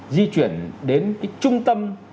di chuyển đến cái trung tâm